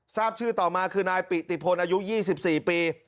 ทราบชื่อต่อมาคือนายปิติพลอายุ๒๔ปี